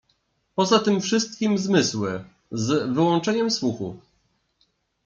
Poza tym wszystkim zmysły, z wyłączeniem słuchu